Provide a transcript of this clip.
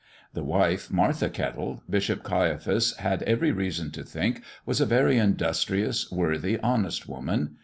The wife, Martha Kettle, Bishop Caiaphas had every reason to think, was a very industrious, worthy, honest woman.